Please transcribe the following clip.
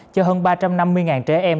cho hơn ba trăm năm mươi trẻ em